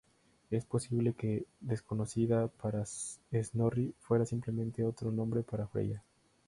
Es posible que, desconocida para Snorri, fuera simplemente otro nombre para Freyja.